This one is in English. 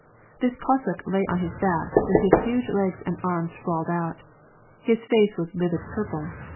This Cossack lay on his back, with his huge legs and arms sprawled out. His face was a livid purple.